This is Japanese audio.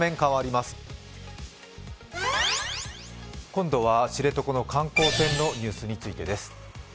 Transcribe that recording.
今度は知床の観光船のニュースについてです。